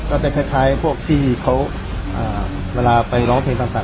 ก็จะคล้ายคล้ายพวกที่เขาเอ่อเวลาไปร้องเพลงต่างต่าง